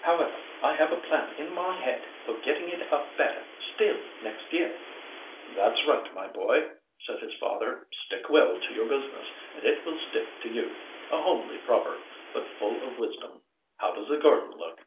However, I have a plan in my head for getting it up better still next year." "That's right, my boy," said his father; "stick well to your business and it will stick to you—a homely proverb, but full of wisdom. How does the garden look?"